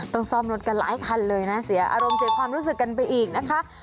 ต้องซ่อมรถกันหลายคันเลยนะเสียอารมณ์เสียความรู้สึกกันไปอีกนะคะ